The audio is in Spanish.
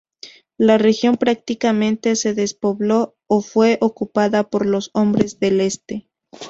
La región prácticamente se despobló o fue ocupada por los Hombres del Este.